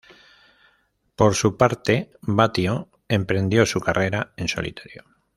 Por su parte, Batio emprendió su carrera en solitario.